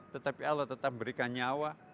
tetapi allah tetap berikan nyawa